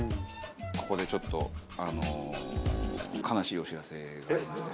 ここでちょっと悲しいお知らせがありまして。